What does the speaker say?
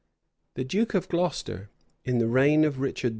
The duke of Glocester, in the reign of Richard II.